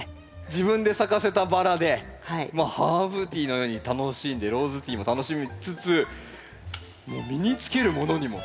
自分で咲かせたバラでハーブティーのように楽しんでローズティーも楽しみつつもう身に着けるものにも。